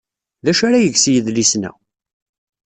D acu ara yeg s yidlisen-a?